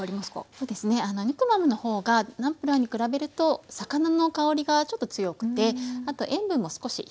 そうですねヌクマムの方がナムプラーに比べると魚の香りがちょっと強くてあと塩分も少し控えめですね。